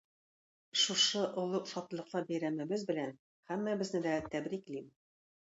Шушы олуг шатлыклы бәйрәмебез белән һәммәбезне дә тәбриклим.